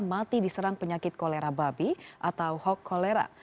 mati diserang penyakit kolera babi atau hok kolera